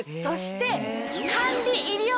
そして。